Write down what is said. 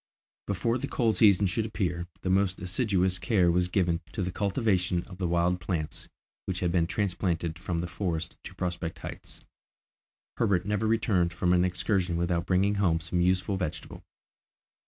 Before the cold season should appear the most assiduous care was given to the cultivation of the wild plants which had been transplanted from the forest to Prospect Heights. Herbert never returned from an excursion without bringing home some useful vegetable.